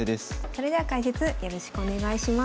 それでは解説よろしくお願いします。